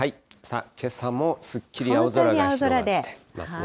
けさもすっきり青空が広がっています。